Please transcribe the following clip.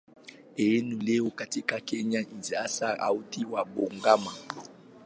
Eneo lao katika Kenya ni hasa kaunti ya Bungoma.